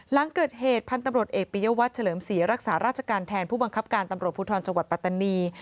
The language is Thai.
หลังเกิดเหตุพันธุ์ตำรวจเอกปียวัตรเฉลิมศรีรักษาราชการแทนผู้บังคับการตำรวจภูทรจังหวัดปัตตานี